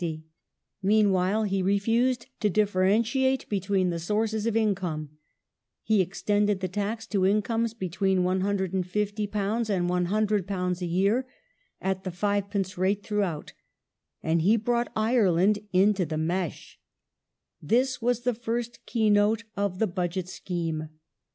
Meanwhile, he refused to differenti ate between the sources of income ; he extended the tax to incomes between £150 and £100 a year (at the 5d. rate throughout), and he brought Ireland into the mesh. This was the first keynote of the Budget scheme.